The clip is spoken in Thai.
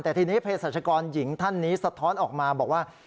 แต่ทีนี้เพศรัชกรหญิงท่านนี้สะท้อนออกมาบอกว่า